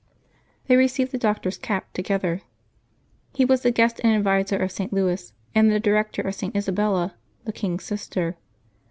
They received the Doctor's cap together. He was the guest and adviser of St. Louis, and the director of St. Isa bella, the king's sister.